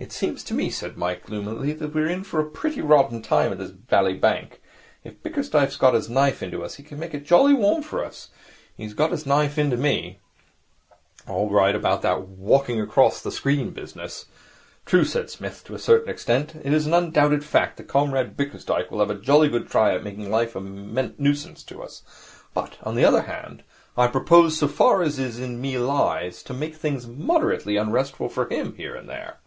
'It seems to me,' said Mike gloomily, 'that we are in for a pretty rotten time of it in this bally bank. If Bickersdyke's got his knife into us, he can make it jolly warm for us. He's got his knife into me all right about that walking across the screen business.' 'True,' said Psmith, 'to a certain extent. It is an undoubted fact that Comrade Bickersdyke will have a jolly good try at making life a nuisance to us; but, on the other hand, I propose, so far as in me lies, to make things moderately unrestful for him, here and there.'